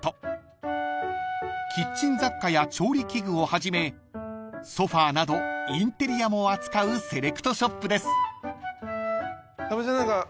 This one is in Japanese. ［キッチン雑貨や調理器具をはじめソファなどインテリアも扱うセレクトショップです］